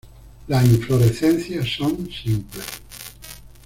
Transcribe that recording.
Las inflorescencias son simples.